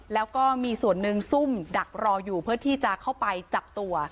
แล้วก็มีส่วนหนึ่งซุ่มดักรออยู่เพื่อที่จะเข้าไปจับตัว